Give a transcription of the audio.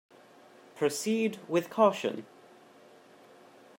Proceed with caution.